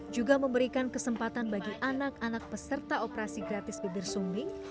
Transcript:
juga memberikan kesempatan bagi anak anak peserta operasi gratis bibir sumbing